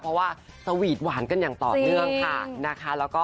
เพราะว่าสวีทหวานกันอย่างต่อเนื่องค่ะนะคะ